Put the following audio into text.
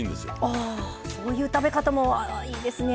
ああそういう食べ方もいいですね。